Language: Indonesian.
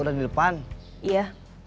yang beli rame